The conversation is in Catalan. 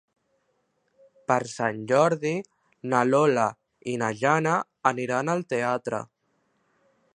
Per Sant Jordi na Lola i na Jana aniran al teatre.